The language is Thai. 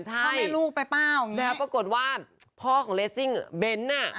เข้าให้ลูกไปเป้าแล้วปรากฏว่าพ่อของเลสซิ่งเบนอ่ะ